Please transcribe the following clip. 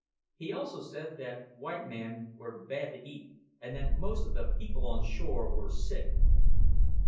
He also said that white men were bad to eat, and that most o' the people on shore were sick."